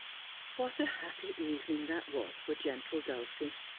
What a happy evening that was for gentle Dulcie.